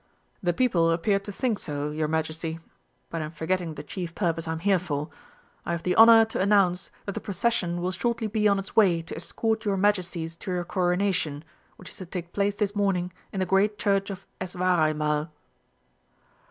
"The people appeared to think so, your Majesty. But I am forgetting the chief purpose I am here for. I have the honour to announce that the procession will shortly be on its way to escort your Majesties to your Coronation, which is to take place this morning in the great church of Eswareinmal."